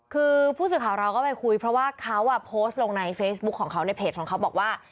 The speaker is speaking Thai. คือผู้สื่อข่าวเราก็ไปคุยเพราะว่าเขาโพสต์ลงในเฟซบุ๊คของเขาในเพจของเขาบอกว่า